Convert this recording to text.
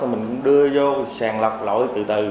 qua gà sót mình đưa vô sàn lập lội từ từ